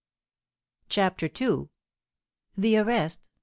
CHAPTER II. THE ARREST.